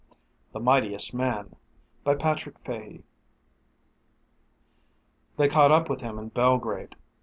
THE MIGHTIEST MAN By PATRICK FAHY They caught up with him in Belgrade.